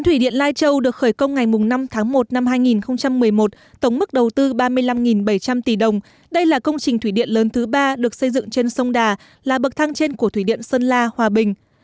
thủy điện lai châu được khởi công ngày năm tháng một năm hai nghìn một mươi một tổng mức đầu tư ba mươi năm bảy trăm linh tỷ đồng đây là công trình thủy điện lớn thứ ba được xây dựng trên sông đà là bậc thang trên của thủy điện sơn la hòa bình